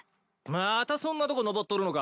またそんなとこ登っとるのか。